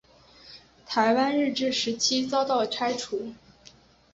台湾日治时期遭到拆除。